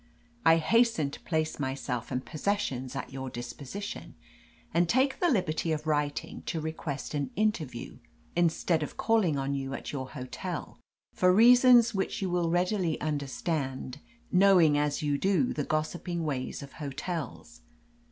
I hasten to place myself and possessions at your disposition, and take the liberty of writing to request an interview, instead of calling on you at your hotel, for reasons which you will readily understand, knowing as you do the gossiping ways of hotels.